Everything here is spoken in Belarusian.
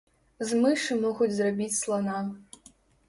З мышы могуць зрабіць слана.